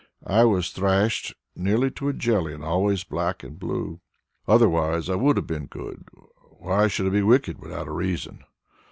I was thrashed nearly to a jelly, and always black and blue. Otherwise I would have been good; why should I be wicked without a reason?